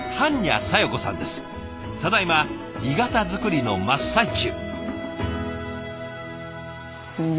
ただいま鋳型作りの真っ最中。